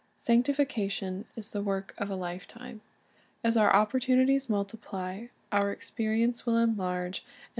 Sanctification is the work of a lifetime. As our opportunities multiply, our experience will enlarge, and 5 iEccl.